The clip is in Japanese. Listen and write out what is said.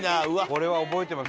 これは覚えてます。